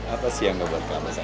apa sih yang gak buat lama lama